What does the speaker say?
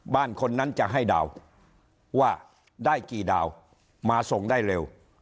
คนนั้นจะให้ดาวว่าได้กี่ดาวมาส่งได้เร็ว